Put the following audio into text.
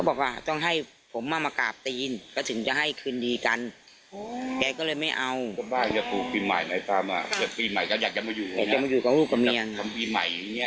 ประมาณกี่เดือนแล้วค่ะ